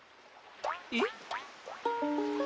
えっ？